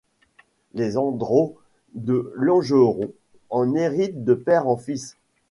Les Andrault de Langeron en héritent de père en fils.